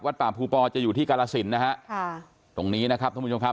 วัดป่าภูปอจะอยู่ที่กาลสินนะฮะ